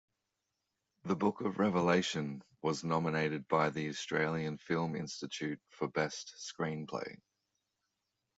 "The Book of Revelation" was nominated by the Australian Film Institute for Best Screenplay.